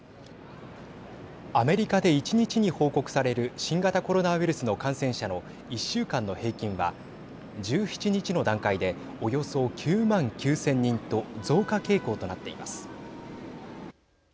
アメリカで１日に報告される新型コロナウイルスの感染者の１週間の平均は１７日の段階でおよそ９万９０００人と増加傾向となっています。